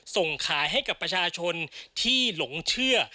ส่งขายให้กับประชาชนที่หลงเชื่อ